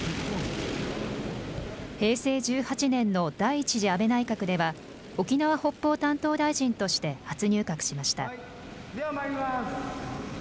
平成１８年の第１次安倍内閣では、沖縄・北方担当大臣として初入閣しました。